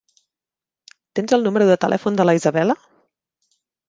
Tens el número de telèfon de la Isabella?